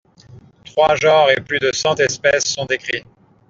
Trois genres et plus de cent espèces sont décrits.